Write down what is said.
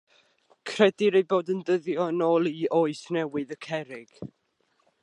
Credir eu bod yn dyddio yn ôl i Oes Newydd y Cerrig.